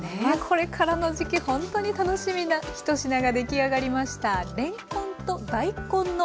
これからの時期ほんとに楽しみな１品が出来上がりました。